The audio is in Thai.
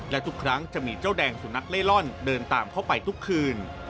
และทุกครั้งจะมีเจ้าแดงสุนัขเล่ล่อนเดินตามเข้าไปทุกคืน